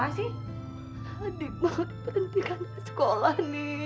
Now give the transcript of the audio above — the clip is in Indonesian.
adik saya terhenti sekolah